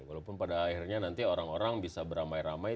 walaupun pada akhirnya nanti orang orang bisa beramai ramai